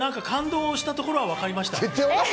大体の感動したところはわかりました。